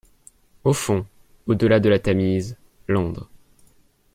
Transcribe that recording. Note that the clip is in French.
Au fond, au-delà de la Tamise, Londres.